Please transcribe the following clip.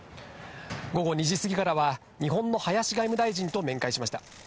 午後２時過ぎからは、日本の林外務大臣と面会しました。